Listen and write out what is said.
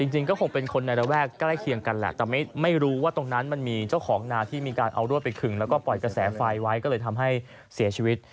จริงก็คงเป็นคนในระแวกใกล้เคียงกันแหละแต่ไม่รู้ว่าตรงนั้นมันมีเจ้าของนาที่มีการเอารวดไปขึงแล้วก็ปล่อยกระแสไฟไว้ก็เลยทำให้เสียชีวิต